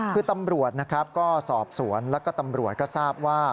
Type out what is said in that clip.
คือตำรวจนะครับก็สอบสวนแล้วก็ตำรวจก็ทราบว่า